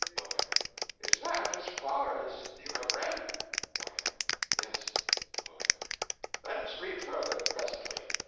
O.M. Is that as far as you have read? Y.M. Yes. O.M. Let us read further, presently.